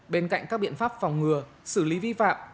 bên cạnh các biện pháp phòng ngừa xử lý vi phạm